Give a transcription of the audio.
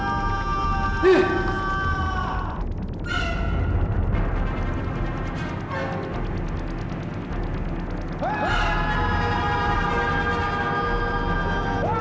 aku sudah ingat